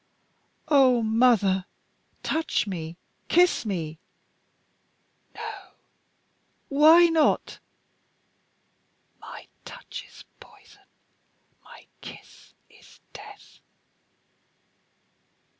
"Oh, mother, touch me! Kiss me!" "No." "Why not?" "My touch is poison. My kiss is death."